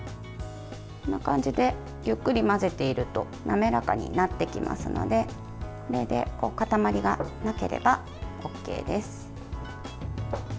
こんな感じでゆっくり混ぜていると滑らかになっていきますのでこれで塊がなければＯＫです。